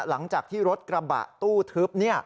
หลังจากที่รถกระบะตู้ทึบ